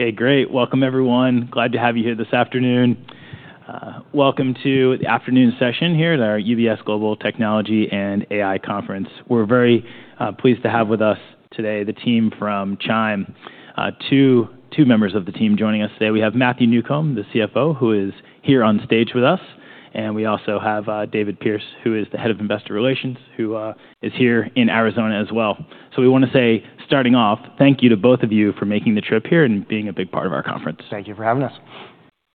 Hey, great. Welcome, everyone. Glad to have you here this afternoon. Welcome to the afternoon session here at our UBS Global Technology and AI Conference. We're very pleased to have with us today the team from Chime, two members of the team joining us today. We have Matthew Newcomb, the CFO, who is here on stage with us. And we also have David Pearce, who is the head of investor relations, who is here in Arizona as well. So we want to say, starting off, thank you to both of you for making the trip here and being a big part of our conference. Thank you for having us.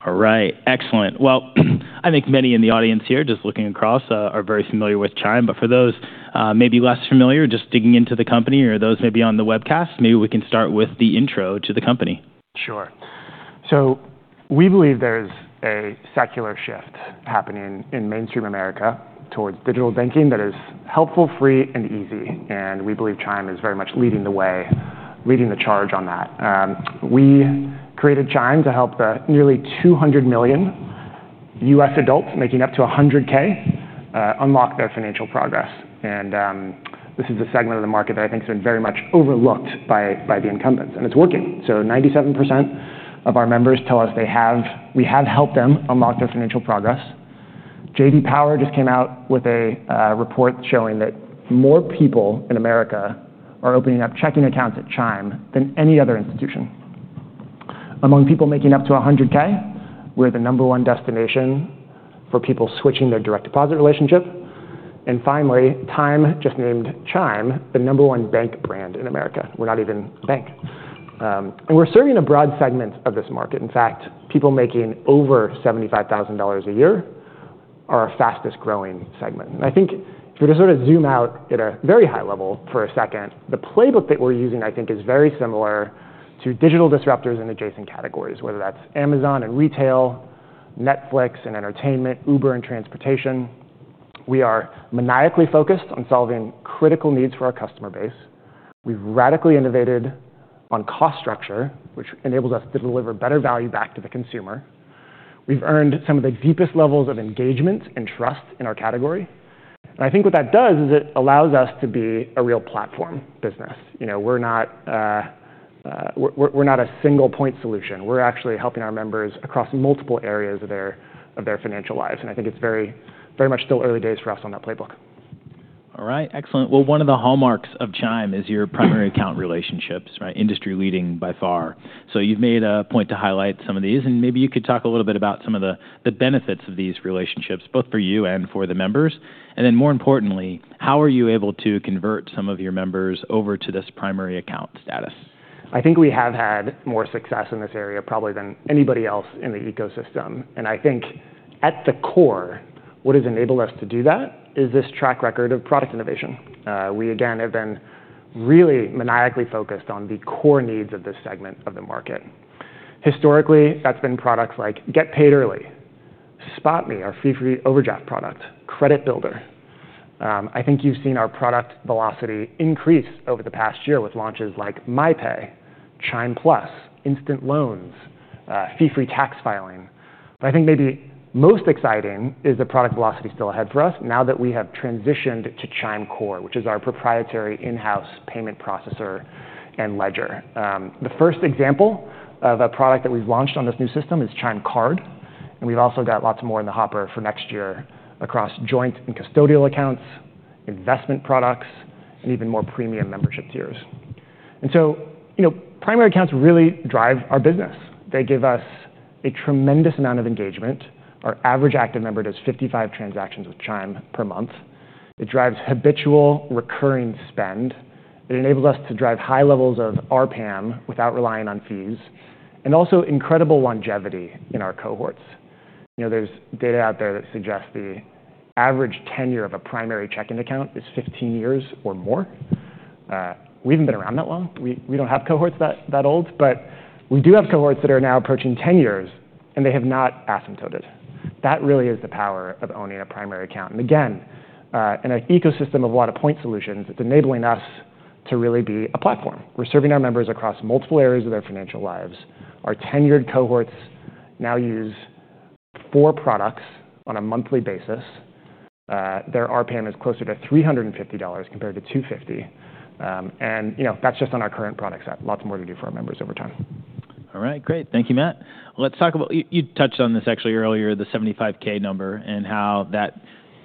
All right, excellent. Well, I think many in the audience here, just looking across, are very familiar with Chime. But for those maybe less familiar, just digging into the company, or those maybe on the webcast, maybe we can start with the intro to the company. Sure. So we believe there is a secular shift happening in mainstream America towards digital banking that is helpful, free, and easy. And we believe Chime is very much leading the way, leading the charge on that. We created Chime to help the nearly 200 million U.S. adults making up to 100K unlock their financial progress. And this is a segment of the market that I think has been very much overlooked by the incumbents. And it's working. So 97% of our members tell us we have helped them unlock their financial progress. J.D. Power just came out with a report showing that more people in America are opening up checking accounts at Chime than any other institution. Among people making up to 100K, we're the number one destination for people switching their direct deposit relationship. And finally, J.D. Power just named Chime the number one bank brand in America. We're not even a bank, and we're serving a broad segment of this market. In fact, people making over $75,000 a year are our fastest growing segment. I think if you were to sort of zoom out at a very high level for a second, the playbook that we're using, I think, is very similar to digital disruptors in adjacent categories, whether that's Amazon and retail, Netflix and entertainment, Uber and transportation. We are maniacally focused on solving critical needs for our customer base. We've radically innovated on cost structure, which enables us to deliver better value back to the consumer. We've earned some of the deepest levels of engagement and trust in our category. I think what that does is it allows us to be a real platform business. We're not a single point solution. We're actually helping our members across multiple areas of their financial lives. I think it's very much still early days for us on that playbook. All right, excellent. One of the hallmarks of Chime is your primary account relationships, industry-leading by far. You've made a point to highlight some of these. Maybe you could talk a little bit about some of the benefits of these relationships, both for you and for the members. Then, more importantly, how are you able to convert some of your members over to this primary account status? I think we have had more success in this area probably than anybody else in the ecosystem. And I think at the core, what has enabled us to do that is this track record of product innovation. We, again, have been really maniacally focused on the core needs of this segment of the market. Historically, that's been products like Get Paid Early, SpotMe, our fee-free overdraft product, Credit Builder. I think you've seen our product velocity increase over the past year with launches like MyPay, Chime Plus, Instant Loans, fee-free tax filing. But I think maybe most exciting is the product velocity still ahead for us now that we have transitioned to Chime Core, which is our proprietary in-house payment processor and ledger. The first example of a product that we've launched on this new system is Chime Card. And we've also got lots more in the hopper for next year across joint and custodial accounts, investment products, and even more premium membership tiers. And so primary accounts really drive our business. They give us a tremendous amount of engagement. Our average active member does 55 transactions with Chime per month. It drives habitual, recurring spend. It enables us to drive high levels of RPAM without relying on fees, and also incredible longevity in our cohorts. There's data out there that suggests the average tenure of a primary checking account is 15 years or more. We haven't been around that long. We don't have cohorts that old. But we do have cohorts that are now approaching 10 years, and they have not asymptoted. That really is the power of owning a primary account. Again, in an ecosystem of a lot of point solutions, it's enabling us to really be a platform. We're serving our members across multiple areas of their financial lives. Our tenured cohorts now use four products on a monthly basis. Their RPAM is closer to $350 compared to $250. And that's just on our current product set. Lots more to do for our members over time. All right, great. Thank you, Matt. Let's talk about, you touched on this actually earlier, the 75K number, and how that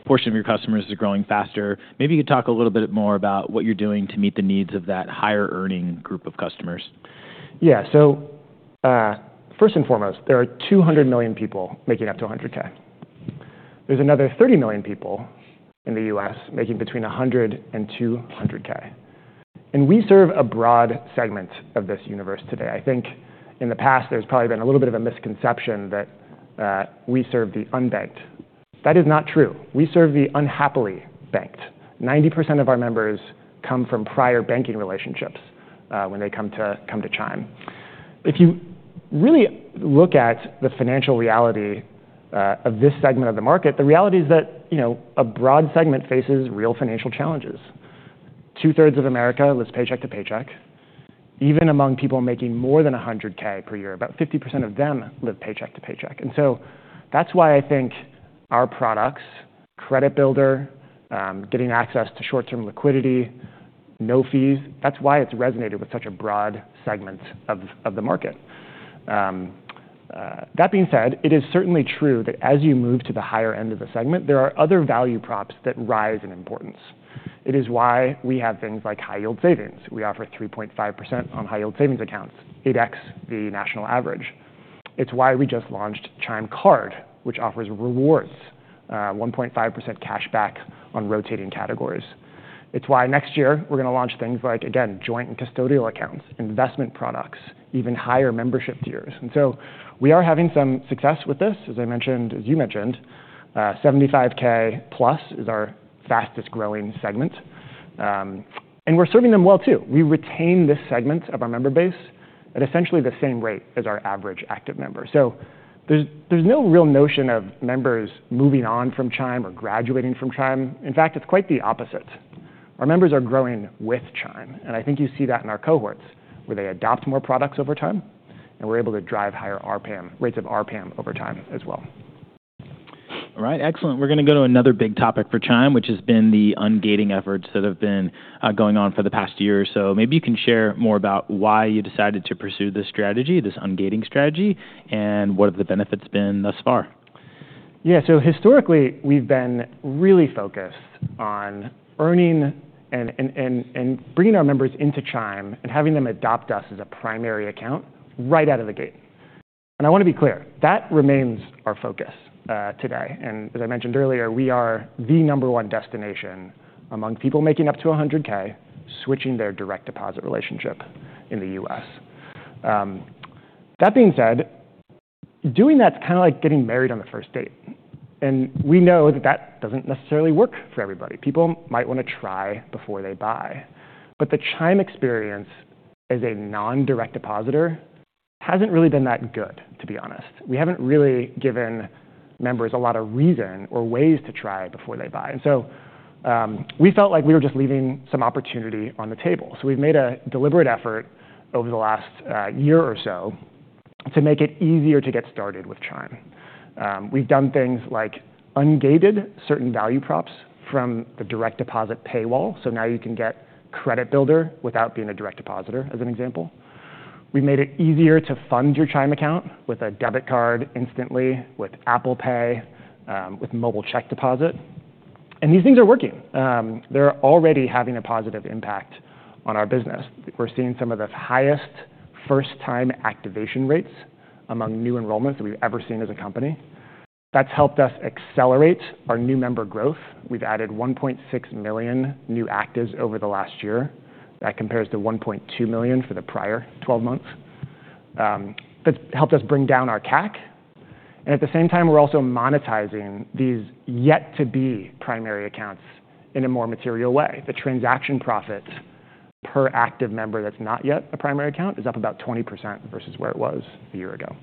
portion of your customers is growing faster. Maybe you could talk a little bit more about what you're doing to meet the needs of that higher-earning group of customers. Yeah, so first and foremost, there are 200 million people making up to $100K. There's another 30 million people in the U.S. making between $100K and $200K. And we serve a broad segment of this universe today. I think in the past, there's probably been a little bit of a misconception that we serve the unbanked. That is not true. We serve the unhappily banked. 90% of our members come from prior banking relationships when they come to Chime. If you really look at the financial reality of this segment of the market, the reality is that a broad segment faces real financial challenges. Two-thirds of America lives paycheck to paycheck. Even among people making more than $100K per year, about 50% of them live paycheck to paycheck. And so that's why I think our products, Credit Builder, getting access to short-term liquidity, no fees, that's why it's resonated with such a broad segment of the market. That being said, it is certainly true that as you move to the higher end of the segment, there are other value props that rise in importance. It is why we have things like high-yield savings. We offer 3.5% on high-yield savings accounts, 8X the national average. It's why we just launched Chime Card, which offers rewards, 1.5% cash back on rotating categories. It's why next year we're going to launch things like, again, joint and custodial accounts, investment products, even higher membership tiers. And so we are having some success with this, as I mentioned, as you mentioned. 75K+ is our fastest growing segment. And we're serving them well, too. We retain this segment of our member base at essentially the same rate as our average active member. So there's no real notion of members moving on from Chime or graduating from Chime. In fact, it's quite the opposite. Our members are growing with Chime. And I think you see that in our cohorts, where they adopt more products over time. And we're able to drive higher RPAM, rates of RPAM over time as well. All right, excellent. We're going to go to another big topic for Chime, which has been the ungating efforts that have been going on for the past year or so. Maybe you can share more about why you decided to pursue this strategy, this ungating strategy, and what have the benefits been thus far? Yeah, so historically, we've been really focused on earning and bringing our members into Chime and having them adopt us as a primary account right out of the gate. And I want to be clear, that remains our focus today. And as I mentioned earlier, we are the number one destination among people making up to 100K, switching their direct deposit relationship in the U.S. That being said, doing that's kind of like getting married on the first date. And we know that that doesn't necessarily work for everybody. People might want to try before they buy. But the Chime experience as a non-direct depositor hasn't really been that good, to be honest. We haven't really given members a lot of reason or ways to try before they buy. And so we felt like we were just leaving some opportunity on the table. So we've made a deliberate effort over the last year or so to make it easier to get started with Chime. We've done things like ungated certain value props from the direct deposit paywall. So now you can get Credit Builder without being a direct depositor, as an example. We've made it easier to fund your Chime account with a debit card instantly, with Apple Pay, with mobile check deposit. And these things are working. They're already having a positive impact on our business. We're seeing some of the highest first-time activation rates among new enrollments that we've ever seen as a company. That's helped us accelerate our new member growth. We've added 1.6 million new actives over the last year. That compares to 1.2 million for the prior 12 months. That's helped us bring down our CAC. At the same time, we're also monetizing these yet-to-be primary accounts in a more material way. The transaction profit per active member that's not yet a primary account is up about 20% versus where it was a year ago.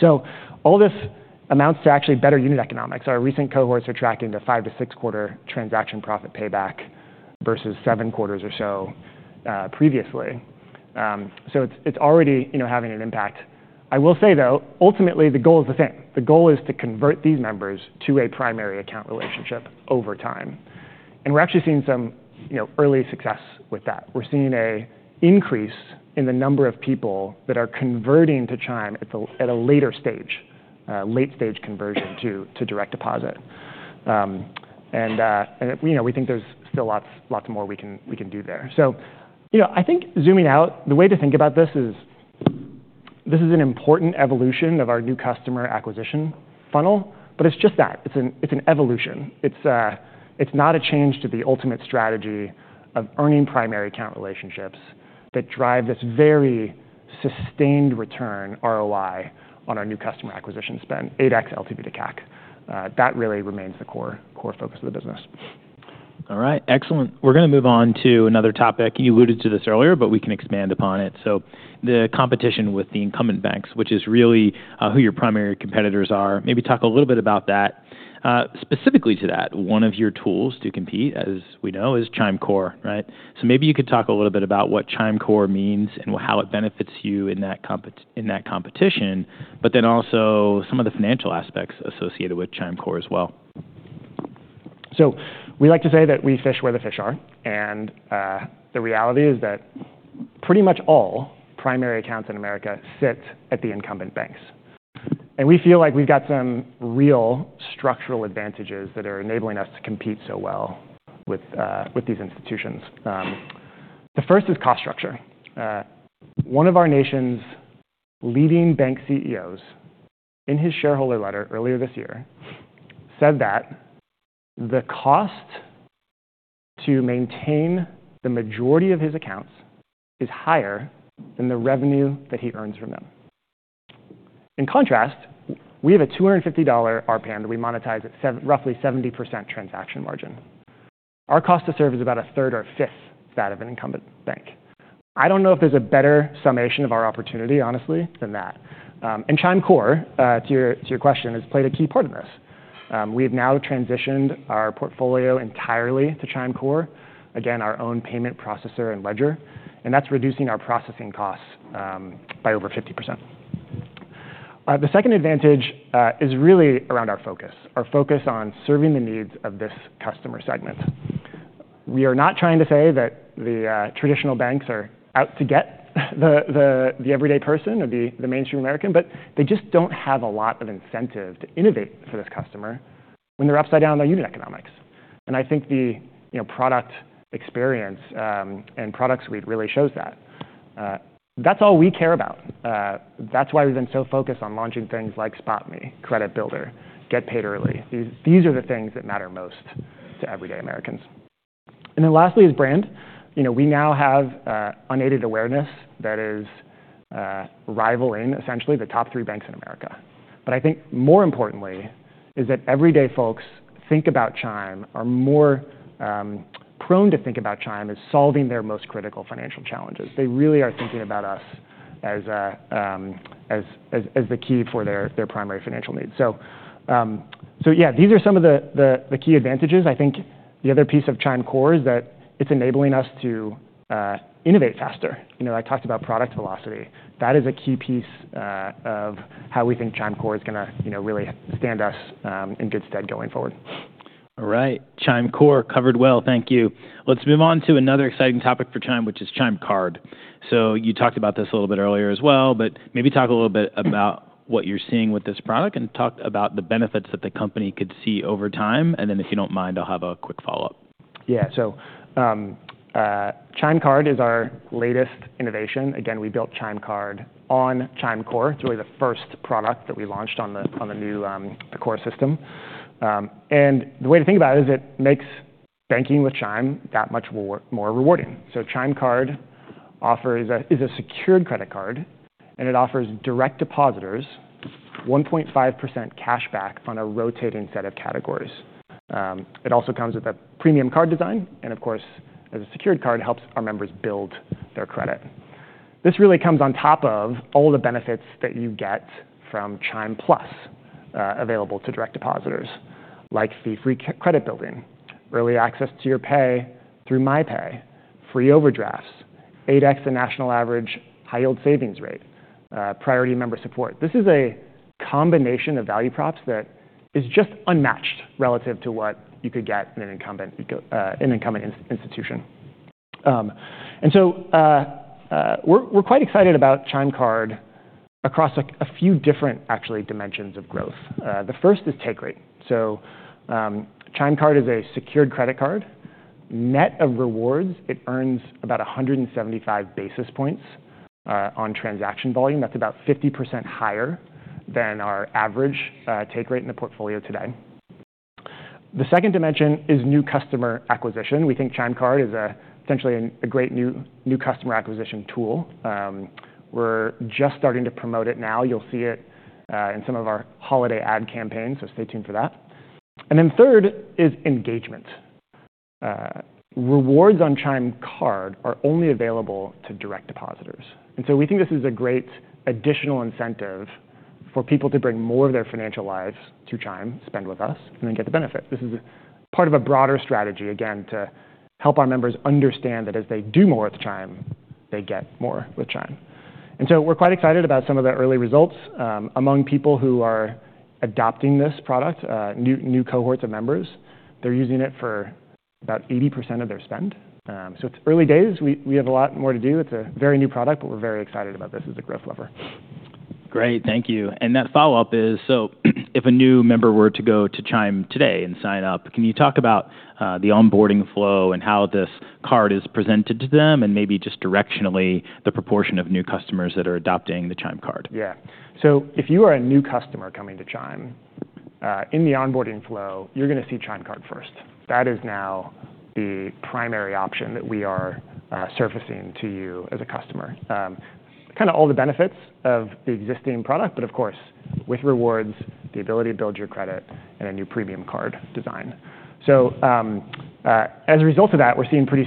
So all this amounts to actually better unit economics. Our recent cohorts are tracking the five- to six-quarter transaction profit payback versus seven quarters or so previously. So it's already having an impact. I will say, though, ultimately, the goal is the same. The goal is to convert these members to a primary account relationship over time. And we're actually seeing some early success with that. We're seeing an increase in the number of people that are converting to Chime at a later stage, late-stage conversion to direct deposit. And we think there's still lots more we can do there. So I think zooming out, the way to think about this is this is an important evolution of our new customer acquisition funnel. But it's just that. It's an evolution. It's not a change to the ultimate strategy of earning primary account relationships that drive this very sustained return ROI on our new customer acquisition spend, 8X LTV to CAC. That really remains the core focus of the business. All right, excellent. We're going to move on to another topic. You alluded to this earlier, but we can expand upon it. So the competition with the incumbent banks, which is really who your primary competitors are. Maybe talk a little bit about that. Specifically to that, one of your tools to compete, as we know, is Chime Core, right? So maybe you could talk a little bit about what Chime Core means and how it benefits you in that competition, but then also some of the financial aspects associated with Chime Core as well. We like to say that we fish where the fish are. The reality is that pretty much all primary accounts in America sit at the incumbent banks. We feel like we've got some real structural advantages that are enabling us to compete so well with these institutions. The first is cost structure. One of our nation's leading bank CEOs, in his shareholder letter earlier this year, said that the cost to maintain the majority of his accounts is higher than the revenue that he earns from them. In contrast, we have a $250 RPAM that we monetize at roughly 70% transaction margin. Our cost to serve is about a third or fifth that of an incumbent bank. I don't know if there's a better summation of our opportunity, honestly, than that. Chime Core, to your question, has played a key part in this. We have now transitioned our portfolio entirely to Chime Core, again, our own payment processor and ledger. And that's reducing our processing costs by over 50%. The second advantage is really around our focus, our focus on serving the needs of this customer segment. We are not trying to say that the traditional banks are out to get the everyday person or the mainstream American, but they just don't have a lot of incentive to innovate for this customer when they're upside down on their unit economics. And I think the product experience and product suite really shows that. That's all we care about. That's why we've been so focused on launching things like SpotMe, Credit Builder, Get Paid Early. These are the things that matter most to everyday Americans. And then lastly is brand. We now have unaided awareness that is rivaling, essentially, the top three banks in America. But I think more importantly is that everyday folks think about Chime are more prone to think about Chime as solving their most critical financial challenges. They really are thinking about us as the key for their primary financial needs. So yeah, these are some of the key advantages. I think the other piece of Chime Core is that it's enabling us to innovate faster. I talked about product velocity. That is a key piece of how we think Chime Core is going to really stand us in good stead going forward. All right, Chime Core covered well. Thank you. Let's move on to another exciting topic for Chime, which is Chime Card. So you talked about this a little bit earlier as well, but maybe talk a little bit about what you're seeing with this product and talk about the benefits that the company could see over time. And then if you don't mind, I'll have a quick follow-up. Yeah, so Chime Card is our latest innovation. Again, we built Chime Card on Chime Core. It's really the first product that we launched on the new core system. And the way to think about it is it makes banking with Chime that much more rewarding. So Chime Card is a secured credit card, and it offers direct depositors 1.5% cash back on a rotating set of categories. It also comes with a premium card design. And of course, as a secured card, it helps our members build their credit. This really comes on top of all the benefits that you get from Chime Plus available to direct depositors, like fee-free credit building, early access to your pay through MyPay, free overdrafts, 8X the national average high-yield savings rate, priority member support. This is a combination of value props that is just unmatched relative to what you could get in an incumbent institution, and so we're quite excited about Chime Card across a few different, actually, dimensions of growth. The first is take rate, so Chime Card is a secured credit card. Net of rewards, it earns about 175 basis points on transaction volume. That's about 50% higher than our average take rate in the portfolio today. The second dimension is new customer acquisition. We think Chime Card is potentially a great new customer acquisition tool. We're just starting to promote it now. You'll see it in some of our holiday ad campaigns, so stay tuned for that, and then third is engagement. Rewards on Chime Card are only available to direct depositors. And so we think this is a great additional incentive for people to bring more of their financial lives to Chime, spend with us, and then get the benefit. This is part of a broader strategy, again, to help our members understand that as they do more with Chime, they get more with Chime. And so we're quite excited about some of the early results. Among people who are adopting this product, new cohorts of members, they're using it for about 80% of their spend. So it's early days. We have a lot more to do. It's a very new product, but we're very excited about this as a growth lever. Great, thank you. And that follow-up is, so if a new member were to go to Chime today and sign up, can you talk about the onboarding flow and how this card is presented to them and maybe just directionally the proportion of new customers that are adopting the Chime Card? Yeah, so if you are a new customer coming to Chime, in the onboarding flow, you're going to see Chime Card first. That is now the primary option that we are surfacing to you as a customer. Kind of all the benefits of the existing product, but of course, with rewards, the ability to build your credit and a new premium card design. So as a result of that, we're seeing pretty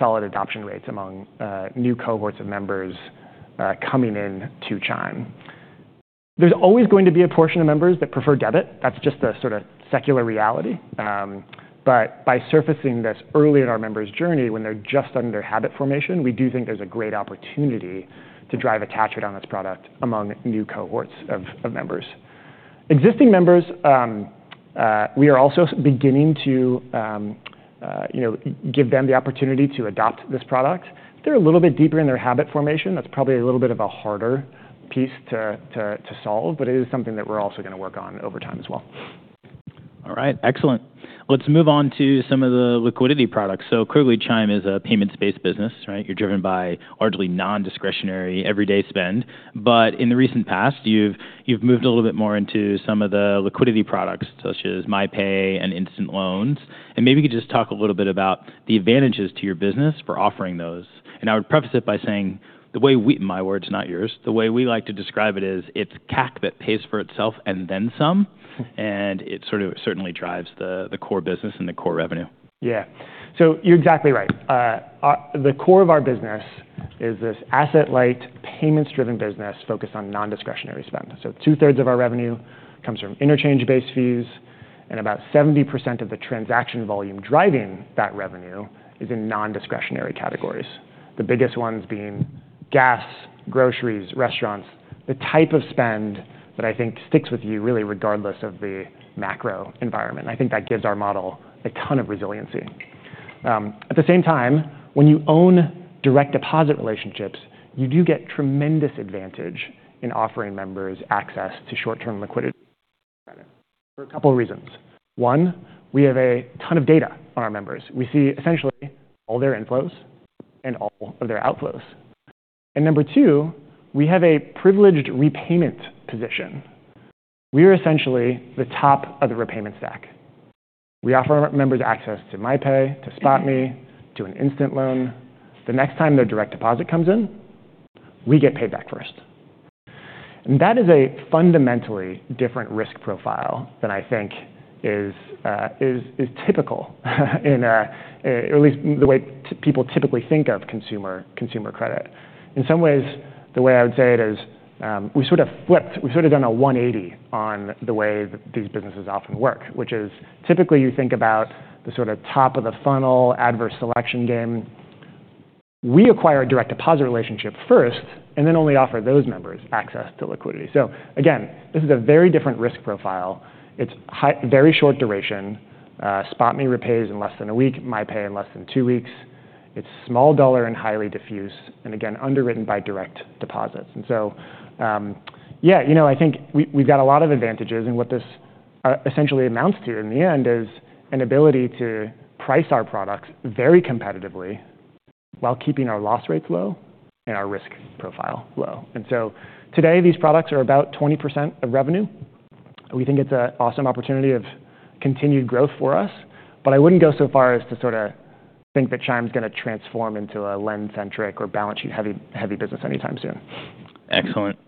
solid adoption rates among new cohorts of members coming into Chime. There's always going to be a portion of members that prefer debit. That's just the sort of secular reality. But by surfacing this early in our members' journey when they're just under their habit formation, we do think there's a great opportunity to drive attachment on this product among new cohorts of members. Existing members, we are also beginning to give them the opportunity to adopt this product. They're a little bit deeper in their habit formation. That's probably a little bit of a harder piece to solve, but it is something that we're also going to work on over time as well. All right, excellent. Let's move on to some of the liquidity products. So clearly, Chime is a payments-based business, right? You're driven by largely non-discretionary everyday spend. But in the recent past, you've moved a little bit more into some of the liquidity products, such as MyPay and Instant Loans. And maybe you could just talk a little bit about the advantages to your business for offering those. And I would preface it by saying the way we (my words, not yours) the way we like to describe it is it's CAC that pays for itself and then some. And it sort of certainly drives the core business and the core revenue. Yeah, so you're exactly right. The core of our business is this asset-light, payments-driven business focused on non-discretionary spend. So two-thirds of our revenue comes from interchange-based fees, and about 70% of the transaction volume driving that revenue is in non-discretionary categories, the biggest ones being gas, groceries, restaurants, the type of spend that I think sticks with you really regardless of the macro environment. I think that gives our model a ton of resiliency. At the same time, when you own direct deposit relationships, you do get tremendous advantage in offering members access to short-term liquidity credit for a couple of reasons. One, we have a ton of data on our members. We see essentially all their inflows and all of their outflows. And number two, we have a privileged repayment position. We are essentially the top of the repayment stack. We offer members access to MyPay, to SpotMe, to an instant loan. The next time their direct deposit comes in, we get paid back first. And that is a fundamentally different risk profile than I think is typical, or at least the way people typically think of consumer credit. In some ways, the way I would say it is we've sort of flipped. We've sort of done a 180 on the way that these businesses often work, which is typically you think about the sort of top of the funnel adverse selection game. We acquire a direct deposit relationship first and then only offer those members access to liquidity. So again, this is a very different risk profile. It's very short duration. SpotMe repays in less than a week. MyPay in less than two weeks. It's small dollar and highly diffuse. And again, underwritten by direct deposits. And so yeah, you know I think we've got a lot of advantages. And what this essentially amounts to in the end is an ability to price our products very competitively while keeping our loss rates low and our risk profile low. And so today, these products are about 20% of revenue. We think it's an awesome opportunity of continued growth for us. But I wouldn't go so far as to sort of think that Chime's going to transform into a lend-centric or balance sheet-heavy business anytime soon. Excellent.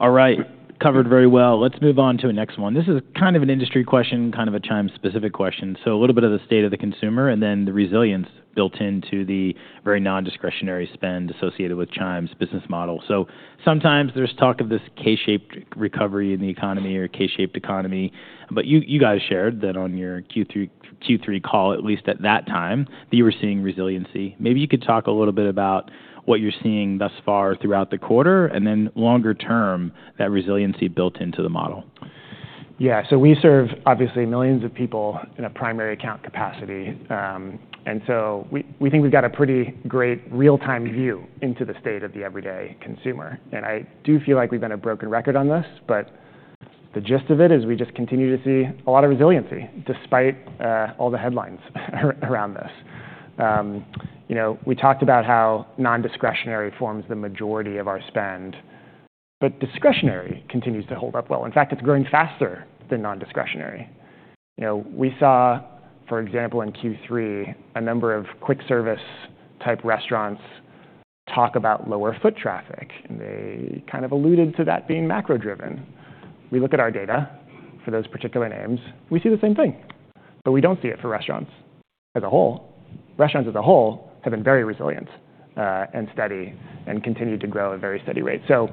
All right, covered very well. Let's move on to the next one. This is kind of an industry question, kind of a Chime-specific question. So a little bit of the state of the consumer and then the resilience built into the very non-discretionary spend associated with Chime's business model. So sometimes there's talk of this K-shaped recovery in the economy or K-shaped economy. But you guys shared that on your Q3 call, at least at that time, that you were seeing resiliency. Maybe you could talk a little bit about what you're seeing thus far throughout the quarter and then longer term, that resiliency built into the model. Yeah, so we serve obviously millions of people in a primary account capacity. And so we think we've got a pretty great real-time view into the state of the everyday consumer. And I do feel like we've done a broken record on this, but the gist of it is we just continue to see a lot of resiliency despite all the headlines around this. We talked about how non-discretionary forms the majority of our spend, but discretionary continues to hold up well. In fact, it's growing faster than non-discretionary. We saw, for example, in Q3, a number of quick-service type restaurants talk about lower foot traffic. And they kind of alluded to that being macro-driven. We look at our data for those particular names. We see the same thing, but we don't see it for restaurants as a whole. Restaurants as a whole have been very resilient and steady and continue to grow at a very steady rate. So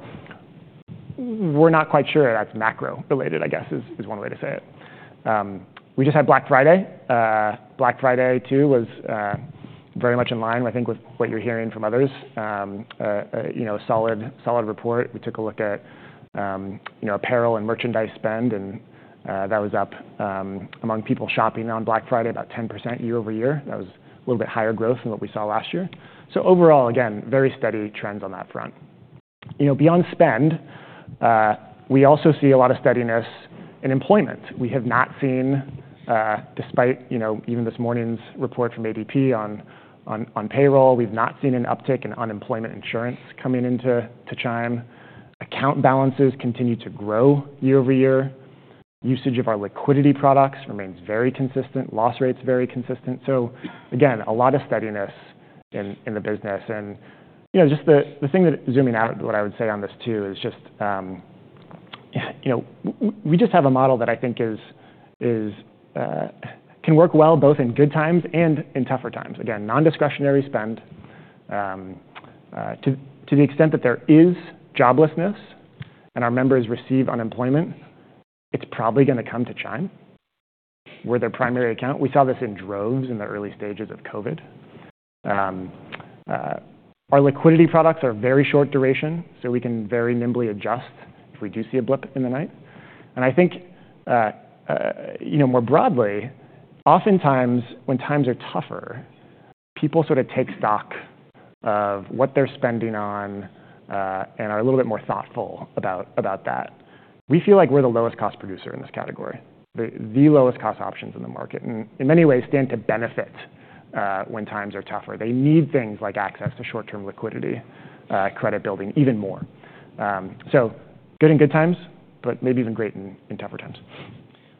we're not quite sure that's macro-related, I guess, is one way to say it. We just had Black Friday. Black Friday, too, was very much in line, I think, with what you're hearing from others. A solid report. We took a look at apparel and merchandise spend, and that was up among people shopping on Black Friday about 10% year over year. That was a little bit higher growth than what we saw last year. So overall, again, very steady trends on that front. Beyond spend, we also see a lot of steadiness in employment. We have not seen, despite even this morning's report from ADP on payroll, we've not seen an uptick in unemployment insurance coming into Chime. Account balances continue to grow year over year. Usage of our liquidity products remains very consistent. Loss rate's very consistent. So again, a lot of steadiness in the business. And just the thing that zooming out, what I would say on this, too, is just we just have a model that I think can work well both in good times and in tougher times. Again, non-discretionary spend. To the extent that there is joblessness and our members receive unemployment, it's probably going to come to Chime where their primary account. We saw this in droves in the early stages of COVID. Our liquidity products are very short duration, so we can very nimbly adjust if we do see a blip in the night. And I think more broadly, oftentimes when times are tougher, people sort of take stock of what they're spending on and are a little bit more thoughtful about that. We feel like we're the lowest-cost producer in this category, the lowest-cost options in the market, and in many ways stand to benefit when times are tougher. They need things like access to short-term liquidity, credit building even more, so good in good times, but maybe even great in tougher times.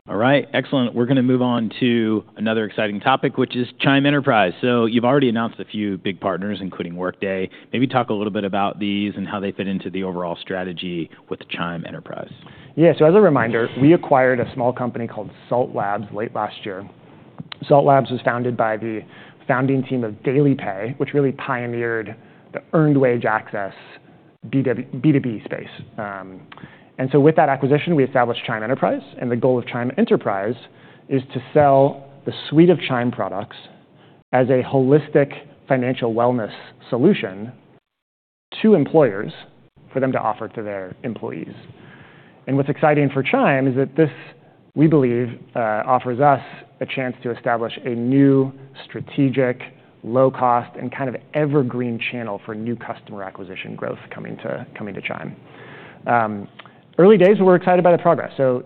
All right, excellent. We're going to move on to another exciting topic, which is Chime Enterprise. So you've already announced a few big partners, including Workday. Maybe talk a little bit about these and how they fit into the overall strategy with Chime Enterprise. Yeah, so as a reminder, we acquired a small company called Salt Labs late last year. Salt Labs was founded by the founding team of DailyPay, which really pioneered the earned wage access B2B space, and so with that acquisition, we established Chime Enterprise, and the goal of Chime Enterprise is to sell the suite of Chime products as a holistic financial wellness solution to employers for them to offer to their employees, and what's exciting for Chime is that this, we believe, offers us a chance to establish a new strategic, low-cost, and kind of evergreen channel for new customer acquisition growth coming to Chime. Early days, we're excited by the progress, so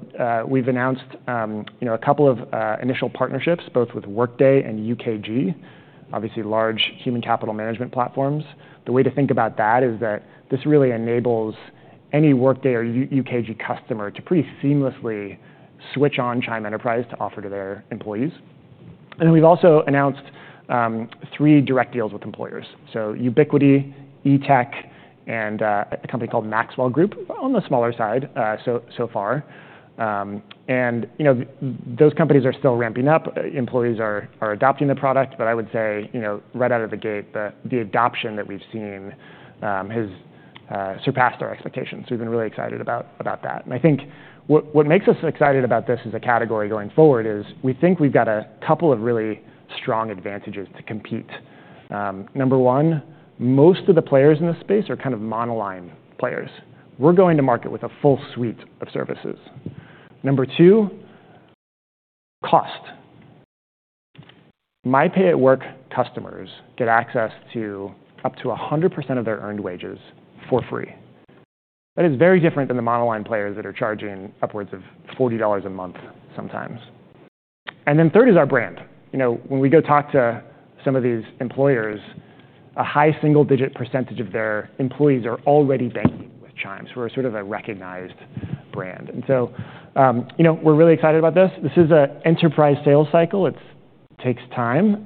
we've announced a couple of initial partnerships, both with Workday and UKG, obviously large human capital management platforms. The way to think about that is that this really enables any Workday or UKG customer to pretty seamlessly switch on Chime Enterprise to offer to their employees, and then we've also announced three direct deals with employers, so Ubiquiti, Etech, and a company called Maxwell Group on the smaller side so far. And those companies are still ramping up. Employees are adopting the product, but I would say right out of the gate, the adoption that we've seen has surpassed our expectations. We've been really excited about that, and I think what makes us excited about this as a category going forward is we think we've got a couple of really strong advantages to compete. Number one, most of the players in this space are kind of monoline players. We're going to market with a full suite of services. Number two, cost. MyPay at work customers get access to up to 100% of their earned wages for free. That is very different than the monoline players that are charging upwards of $40 a month sometimes. And then third is our brand. When we go talk to some of these employers, a high single-digit % of their employees are already banking with Chime, so we're sort of a recognized brand. And so we're really excited about this. This is an enterprise sales cycle. It takes time,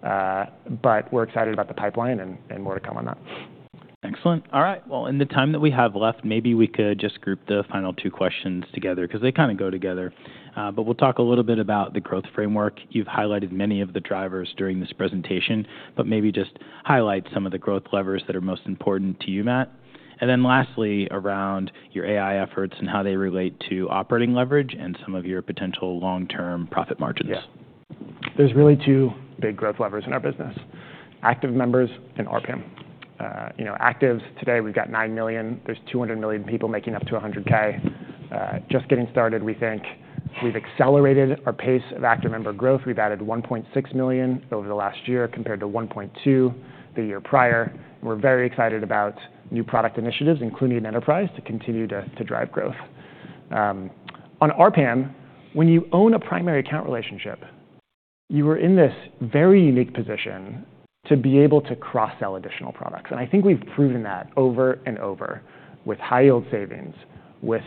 but we're excited about the pipeline and more to come on that. Excellent. All right, well, in the time that we have left, maybe we could just group the final two questions together because they kind of go together. But we'll talk a little bit about the growth framework. You've highlighted many of the drivers during this presentation, but maybe just highlight some of the growth levers that are most important to you, Matt. And then lastly, around your AI efforts and how they relate to operating leverage and some of your potential long-term profit margins. Yeah, there's really two big growth levers in our business: active members and RPM. Actives, today we've got nine million. There's 200 million people making up to $100K. Just getting started, we think we've accelerated our pace of active member growth. We've added 1.6 million over the last year compared to 1.2 the year prior, and we're very excited about new product initiatives, including in enterprise, to continue to drive growth. On RPM, when you own a primary account relationship, you are in this very unique position to be able to cross-sell additional products, and I think we've proven that over and over with high-yield savings, with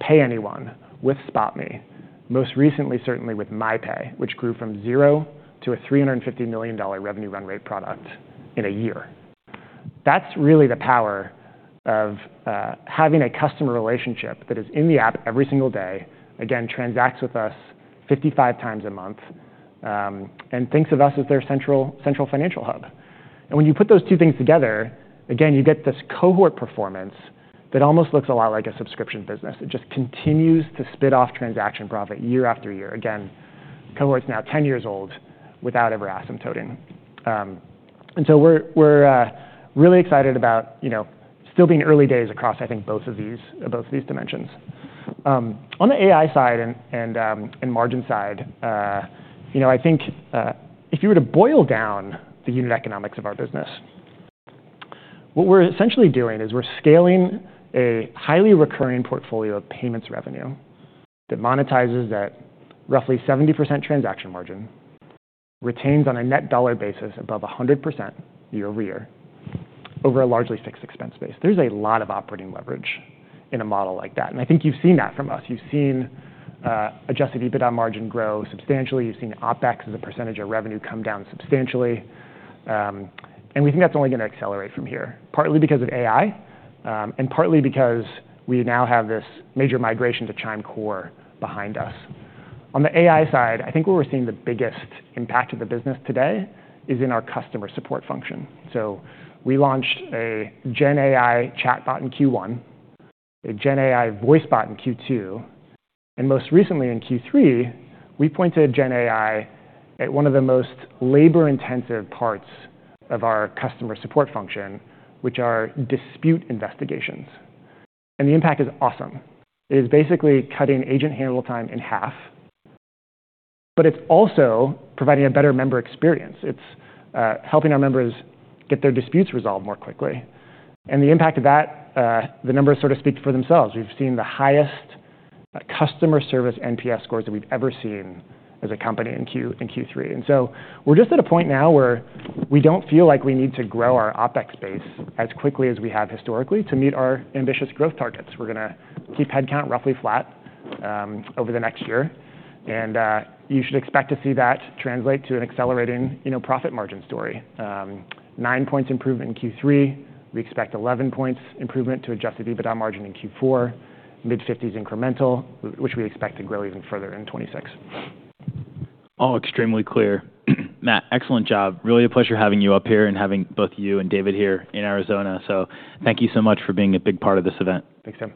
Pay Anyone, with SpotMe, most recently, certainly with MyPay, which grew from zero to a $350 million revenue run rate product in a year. That's really the power of having a customer relationship that is in the app every single day, again, transacts with us 55 times a month, and thinks of us as their central financial hub. And when you put those two things together, again, you get this cohort performance that almost looks a lot like a subscription business. It just continues to spit off transaction profit year after year. Again, cohort's now 10 years old without ever asymptoting. And so we're really excited about still being early days across, I think, both of these dimensions. On the AI side and margin side, I think if you were to boil down the unit economics of our business, what we're essentially doing is we're scaling a highly recurring portfolio of payments revenue that monetizes that roughly 70% transaction margin, retains on a net dollar basis above 100% year over year over a largely fixed expense base. There's a lot of operating leverage in a model like that. And I think you've seen that from us. You've seen adjusted EBITDA margin grow substantially. You've seen OPEX as a percentage of revenue come down substantially. And we think that's only going to accelerate from here, partly because of AI and partly because we now have this major migration to Chime Core behind us. On the AI side, I think where we're seeing the biggest impact of the business today is in our customer support function. So we launched a GenAI chatbot in Q1, a GenAI voice bot in Q2, and most recently in Q3, we pointed GenAI at one of the most labor-intensive parts of our customer support function, which are dispute investigations. And the impact is awesome. It is basically cutting agent handle time in half, but it's also providing a better member experience. It's helping our members get their disputes resolved more quickly. And the impact of that, the numbers sort of speak for themselves. We've seen the highest customer service NPS scores that we've ever seen as a company in Q3. And so we're just at a point now where we don't feel like we need to grow our OPEX base as quickly as we have historically to meet our ambitious growth targets. We're going to keep headcount roughly flat over the next year. You should expect to see that translate to an accelerating profit margin story. Nine points improvement in Q3. We expect 11 points improvement to adjusted EBITDA margin in Q4, mid-50s incremental, which we expect to grow even further in 2026. All extremely clear. Matt, excellent job. Really a pleasure having you up here and having both you and David here in Arizona. So thank you so much for being a big part of this event. Thanks, Tim.